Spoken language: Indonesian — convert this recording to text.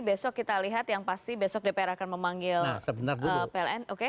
besok kita lihat yang pasti besok dpr akan memanggil pln